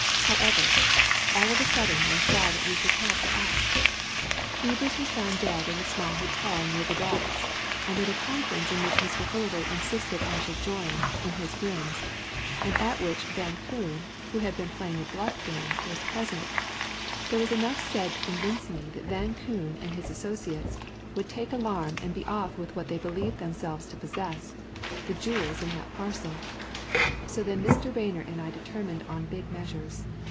However, all of a sudden I saw that we should have to act. Ebers was found dead in a small hotel near the Docks, and at a conference in which Mr. Fullaway insisted I should join, in his rooms, and at which Van Koon, who had been playing a bluff game, was present, there was enough said to convince me that Van Koon and his associates would take alarm and be off with what they believed themselves to possess the jewels in that parcel. So then Mr. Rayner and I determined on big measures.